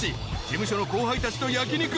［事務所の後輩たちと焼き肉］